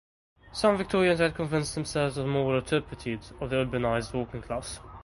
Some Victorians had convinced themselves of the moral turpitude of the urbanised working class.